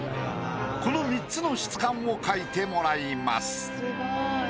この３つの質感を描いてもらいます。